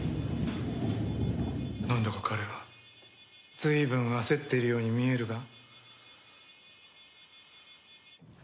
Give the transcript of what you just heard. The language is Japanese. なんだか彼はずいぶん焦っているように見えるが。